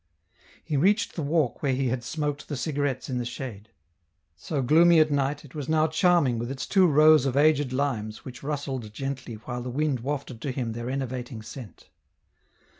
He reached the walk where he had smoked the cigarettes in the shade. So gloomy at night, it was now charming with its two rows of aged limes which rustled gently while the wind wafted to him their enervating scent.